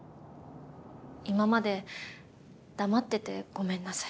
今まで黙っててごめんなさい。